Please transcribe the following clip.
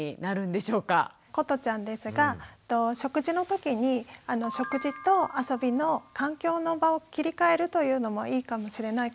ことちゃんですが食事のときに食事と遊びの環境の場を切り替えるというのもいいかもしれないかなと思います。